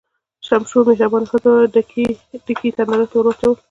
شمشو مهربانه ښځه وه، ډکي یې تنار ته ور واچول.